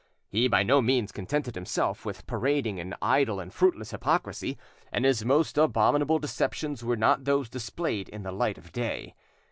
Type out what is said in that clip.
He by no means contented himself with parading an idle and fruitless hypocrisy, and his most abominable deceptions were not those displayed in the light of day.